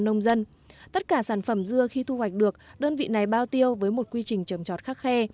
nông dân tất cả sản phẩm dưa khi thu hoạch được đơn vị này bao tiêu với một quy trình trồng trọt khắc khe